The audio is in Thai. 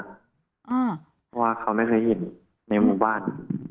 เพราะว่าเขาไม่เคยเห็นในหมู่บ้าน